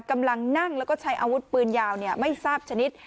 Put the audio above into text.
กำลังนั่งแล้วก็ใช้อาวุธปืนยาวไม่ทราบชนิด